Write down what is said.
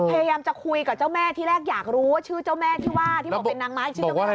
พยายามจะคุยกับเจ้าแม่ที่แรกอยากรู้ว่าชื่อเจ้าแม่ที่ว่าที่บอกเป็นนางไม้ชื่อเจ้าแม่